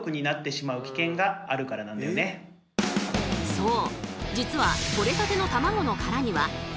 そう！